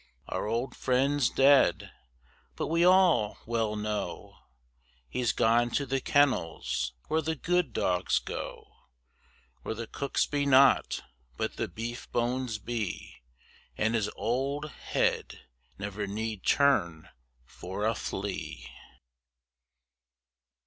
Our old friend's dead, but we all well know He's gone to the Kennels where the good dogs go, Where the cooks be not, but the beef bones be, And his old head never need turn for a flea.